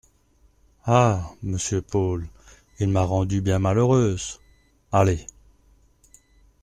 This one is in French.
Ah ! monsieur Paul, il m’a rendue bien malheureuse… allez !